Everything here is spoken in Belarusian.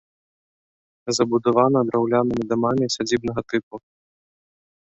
Забудавана драўлянымі дамамі сядзібнага тыпу.